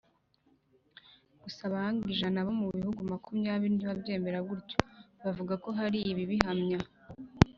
Gusa abahanga ijana bo mu bihugu makumyabiri ntibabyemera gutyo: bavuga ko hari ibibihamya